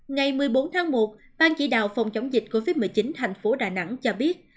ngày một mươi bốn tháng một bang chỉ đạo phòng chống dịch covid một mươi chín thành phố đà nẵng cho biết